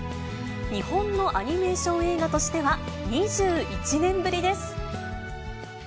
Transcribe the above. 日本のアニメーション映画としては、２１年ぶりです。